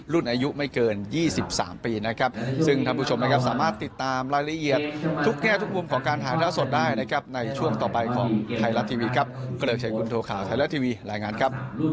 และก็๑๖ปีครับ